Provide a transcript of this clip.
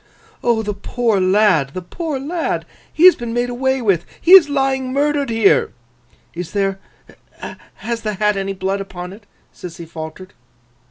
'O the poor lad, the poor lad! He has been made away with. He is lying murdered here!' 'Is there—has the hat any blood upon it?' Sissy faltered.